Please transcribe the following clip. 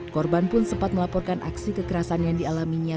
korban pun sempat melaporkan aksi kekerasan yang dialaminya